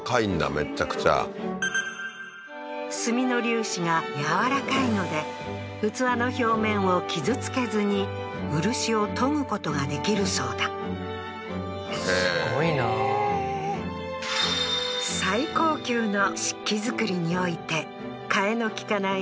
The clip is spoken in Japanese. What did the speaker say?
めっちゃくちゃ炭の粒子が柔らかいので器の表面を傷付けずに漆を研ぐことができるそうだすごいなへえー最高級の漆器作りにおいて替えの利かない